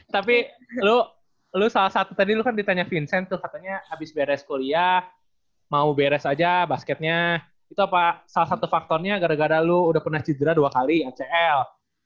tapi lu lo salah satu tadi lu kan ditanya vincent tuh katanya habis beres kuliah mau beres aja basketnya itu apa salah satu faktornya gara gara lu udah pernah cedera dua kali acl